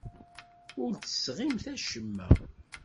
Ur d-tesɣimt acemma.